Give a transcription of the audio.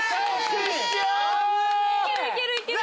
いけるいけるいける！